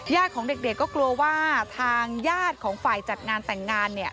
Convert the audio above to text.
ของเด็กก็กลัวว่าทางญาติของฝ่ายจัดงานแต่งงานเนี่ย